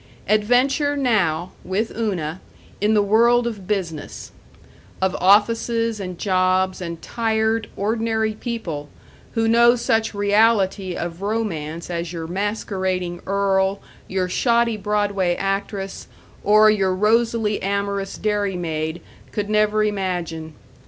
Adventure now, with Una, in the world of business; of offices and jobs and tired, ordinary people who know such reality of romance as your masquerading earl, your shoddy Broadway actress, or your rosily amorous dairy maid could never imagine.